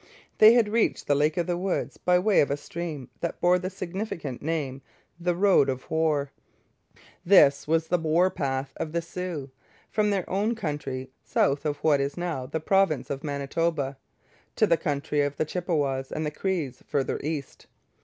They had reached the Lake of the Woods by way of a stream that bore the significant name The Road of War. This was the war path of the Sioux from their own country, south of what is now the province of Manitoba, to the country of the Chippewas and the Crees farther east.